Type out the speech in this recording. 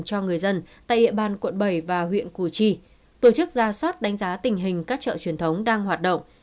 cho người dân tại ủy ban quận bảy và huyện cù chi tổ chức ra soát đánh giá tình hình các chợ truyền thống đang hoạt động